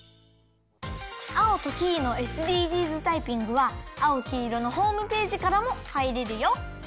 「アオとキイのＳＤＧｓタイピング」は「あおきいろ」のホームページからもはいれるよ。